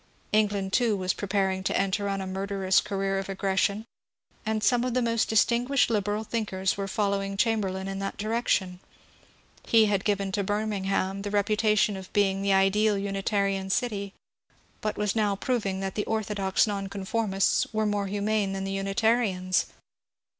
England too was preparing to enter on a miuxlerous TRANSLATING THE LIFE OF PAINE 439 career of aggression, and some of the most distinguished liberal thinkers were following Chamberlain in that direction. He had given to Birmingham the reputation of being the ideal Unita rian city, but was now proving that the orthodox Nonconformists were more humane than the Unitarians.